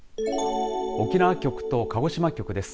沖縄局と鹿児島局です。